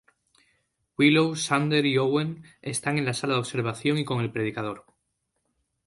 Willow, Xander y Owen están en la sala de observación y con el predicador.